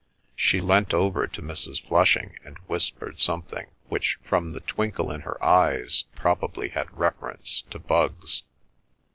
She leant over to Mrs. Flushing and whispered something which from the twinkle in her eyes probably had reference to bugs.